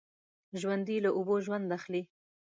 ژوندي له اوبو ژوند اخلي